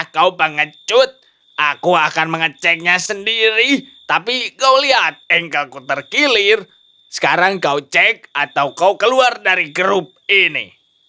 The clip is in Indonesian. kau pengecut aku akan mengeceknya sendiri tapi kau lihat engleku terkilir sekarang kau cek atau kau keluar dari grup ini